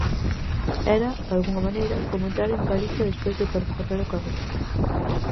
Era, dalgunha maneira, como entrar en Galicia despois de percorrer o camiño.